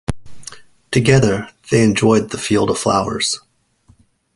Together they enjoyed the field of flowers.